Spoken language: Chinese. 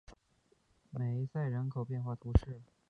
梅塞人口变化图示